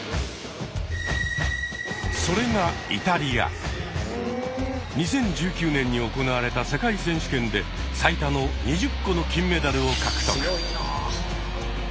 それが２０１９年に行われた世界選手権で最多の２０個の金メダルを獲得。